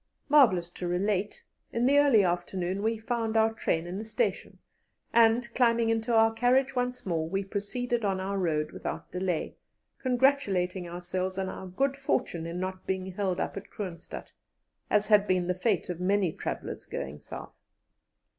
Marvellous to relate, in the early afternoon we found our train in the station, and, climbing into our carriage once more, we proceeded on our road without delay, congratulating ourselves on our good fortune in not being held up at Kroonstadt, as had been the fate of many travellers going south.